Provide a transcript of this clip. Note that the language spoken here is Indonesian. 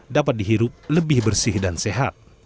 dapat dihirup lebih bersih dan sehat